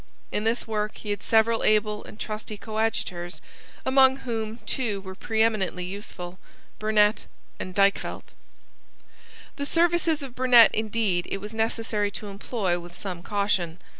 In this work he had several able and trusty coadjutors, among whom two were preeminently useful, Burnet and Dykvelt. The services of Burnet indeed it was necessary to employ with some caution.